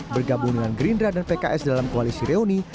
bergabung dengan gerindra dan pks dalam koalisi reuni